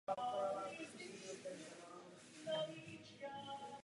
Je to ideální kůň do rodiny a pro volný čas.